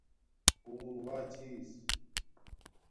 اُݸ مُنُوݳ چھݵس.